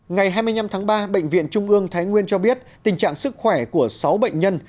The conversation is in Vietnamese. ngày hai mươi năm tháng ba bệnh viện trung ương thái nguyên cho biết tình trạng sức khỏe của sáu bệnh nhân